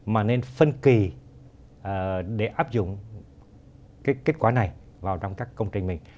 mà nên phân kỳ để áp dụng cái kết quả này vào trong các công trình mình